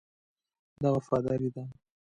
دا وفاداري ده.